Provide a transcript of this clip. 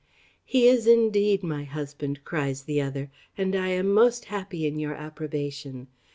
"He is, indeed, my husband," cries the other; "and I am most happy in your approbation.